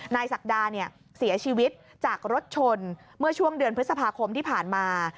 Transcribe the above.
ศักดาเนี่ยเสียชีวิตจากรถชนเมื่อช่วงเดือนพฤษภาคมที่ผ่านมา